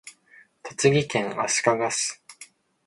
栃木県足利市